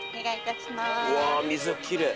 うわ水きれい。